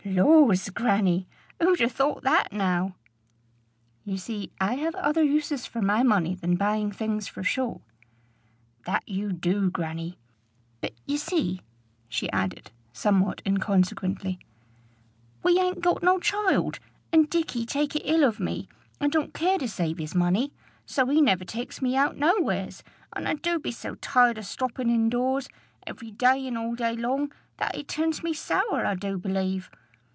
"Laws, grannie! who'd ha' thought that now!" "You see I have other uses for my money than buying things for show." "That you do, grannie! But you see," she added, somewhat inconsequently, "we ain't got no child, and Dick he take it ill of me, and don't care to save his money; so he never takes me out nowheres, and I do be so tired o' stopping indoors, every day and all day long, that it turns me sour, I do believe.